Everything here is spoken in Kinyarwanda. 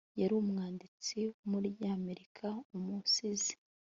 yari umwanditsi wumunyamerika umusizi